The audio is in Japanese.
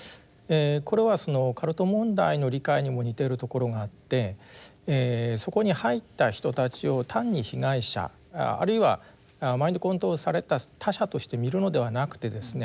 これはカルト問題の理解にも似ているところがあってそこに入った人たちを単に被害者あるいはマインドコントロールされた他者として見るのではなくてですね